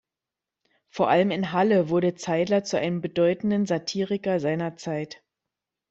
Vor allem in Halle wurde Zeidler zu einem bedeuteten Satiriker seiner Zeit.